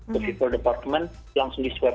ke fever department langsung di swab